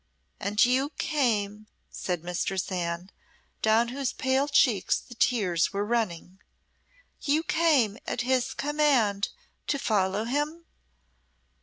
"And you came," said Mistress Anne, down whose pale cheeks the tears were running "you came at his command to follow him?"